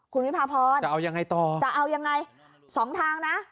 คุณวิพาพรจะเอายังไงต่อสองทางนะ